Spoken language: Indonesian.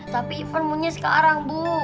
tapi iban muncul sekarang bu